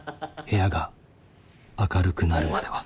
部屋が明るくなるまでは。